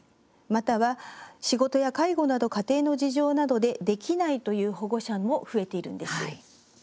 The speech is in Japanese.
または、仕事や介護など家庭の事情などでできないという保護者も増えているんです。